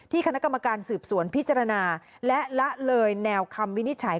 คณะกรรมการสืบสวนพิจารณาและละเลยแนวคำวินิจฉัย